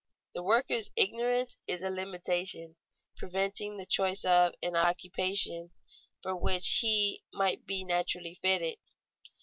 _ The worker's ignorance is a limitation, preventing the choice of an occupation for which he might naturally be fitted.